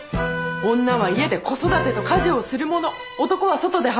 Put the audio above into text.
女は家で子育てと家事をするもの男は外で働くもの。